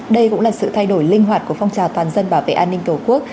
đây cũng là sự thay đổi linh hoạt của phong trào toàn dân bảo vệ an ninh tổ quốc